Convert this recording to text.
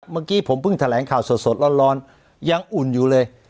เมื่อกี้ผมเพิ่งแถลงข่าวสดร้อนยังอุ่นอยู่เลย